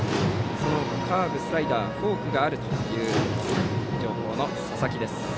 カーブ、スライダー、フォークがあるという情報の佐々木。